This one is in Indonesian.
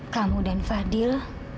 kamu dan fadil